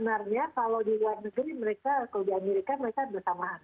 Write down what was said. sebenarnya kalau di luar negeri mereka kalau di amerika mereka bersamaan